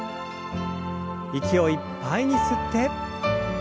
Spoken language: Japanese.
息をいっぱいに吸って。